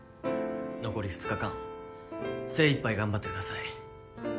残り２日間精いっぱい頑張ってください。